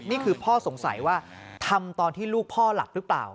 นี่คือพ่อสงสัยว่าทำตอนที่ลูกพ่อหลับหรือเปล่า